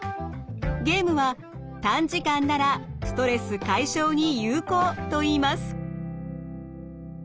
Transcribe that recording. ゲームは短時間ならストレス解消に有効といいます。